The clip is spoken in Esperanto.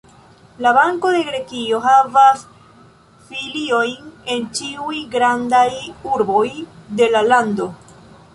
La Banko de Grekio havas filiojn en ĉiuj grandaj urboj de la lando.